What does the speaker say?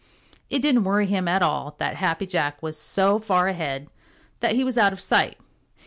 It didn't worry him at all that Happy Jack was so far ahead that he was out of sight.